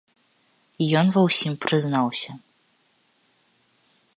Ён ва ўсім прызнаўся.